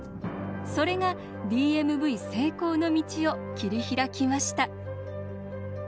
それがＤＭＶ成功の道を切り開きました。